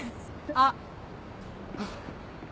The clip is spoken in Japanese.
あっ。